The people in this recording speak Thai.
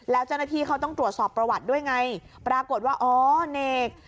แล้วเจ้าหน้าที่เขาต้องตรวจสอบประวัติด้วยไงปรากฏว่าอ๋อเนก